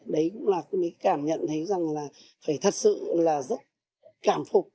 đấy cũng là cái cảm nhận thấy rằng là phải thật sự là rất cảm phục